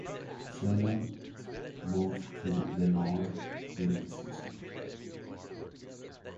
Salem moved to Lenoir during the season.